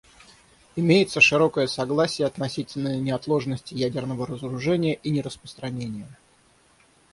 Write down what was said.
Имеется широкое согласие относительно неотложности ядерного разоружения и нераспространения.